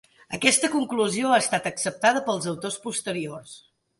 Aquesta conclusió ha estat acceptada pels autors posteriors.